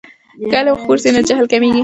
که علم خپور سي نو جهل کمېږي.